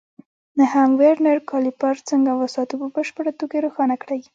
نهم: ورنیر کالیپر څنګه وساتو؟ په بشپړه توګه یې روښانه کړئ.